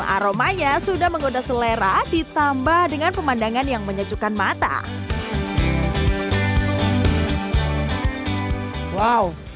aromanya sudah menggoda selera ditambah dengan pemandangan yang menyejukkan mata wow